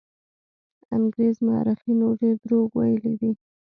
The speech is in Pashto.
انګرېز مورخینو ډېر دروغ ویلي دي.